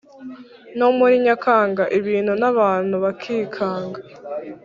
no muri Nyakanga Ibintu n’abantu bakikanga